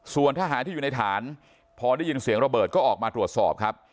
ส่วนทหารที่อยู่ในฐานพอได้ยินเสียงระเบิดก็ออกมาตรวจสอบครับ